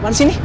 apaan sih ini